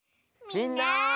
みんな！